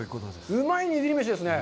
うまい握り飯ですね。